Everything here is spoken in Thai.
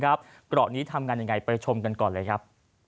เกาะนี้ทำงานยังไงไปชมกันก่อนเลยครับ